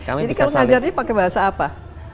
jadi kalau mengajarnya pakai bahasa apa